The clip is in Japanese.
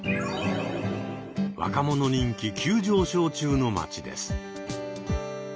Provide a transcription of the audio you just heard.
若者人気急上昇中の街です。